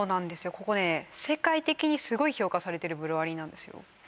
ここね世界的にすごい評価されてるブルワリーなんですよ